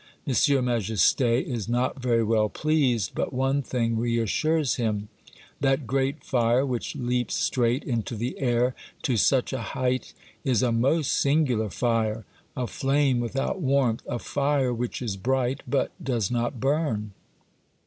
Monsieur Majesty is not very well pleased, but one thing re assures him. That great fire which leaps straight into the air to such a height is a most singular fire, a flame without warmth, a fire which is bright, but does not burn.